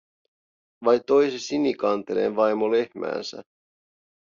Vai toi se Sinikanteleen vaimo lehmäänsä.